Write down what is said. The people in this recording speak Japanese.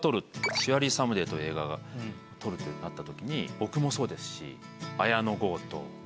『シュアリー・サムデイ』という映画が撮るってなったときに僕もそうですし。